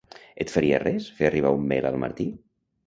Et faria res fer arribar un mail al Martí?